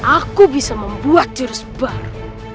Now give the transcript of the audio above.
aku bisa membuat jurus baru